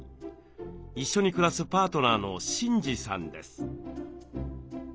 一緒に暮らすパートナーの慎司さんです。